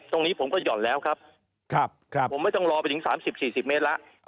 ตรงนี้ผมก็หย่อนแล้วครับผมไม่ต้องรอไปถึง๓๐๔๐เมตรแล้ว